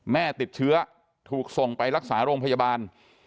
แม่ติดเชื้อถูกส่งไปรักษาโรงพยาบาล